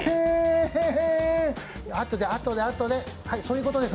あとで、あとで、あとで。